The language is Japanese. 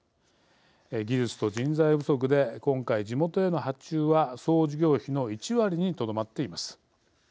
技術と人材不足で今回、地元への発注は総事業費の１割にとどまっています。